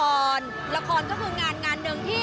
ละครก็คือการทางหนึ่งที่